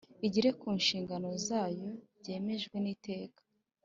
igere ku nshingano zayo byemejwe n Iteka